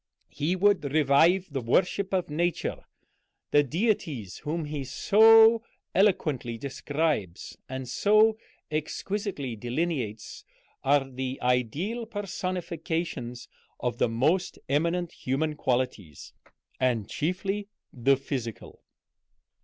He would revive the worship of Nature. The deities whom he so eloquently describes and so exquisitely delineates are the ideal personifications of the most eminent human qualities, and chiefly the physical.